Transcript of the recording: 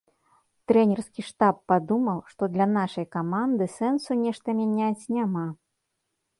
Трэнерскі штаб падумаў, што для нашай каманды сэнсу нешта мяняць няма.